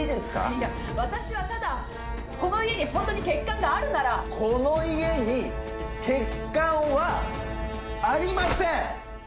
いや私はただこの家にホントに欠陥があるならこの家に欠陥はありません！